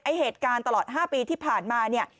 เหตุการณ์ตลอด๕ปีที่ผ่านมาเนี่ย